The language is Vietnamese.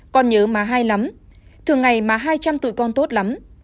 con nhớ má hai lắm thường ngày má hai trăm tụi con tốt lắm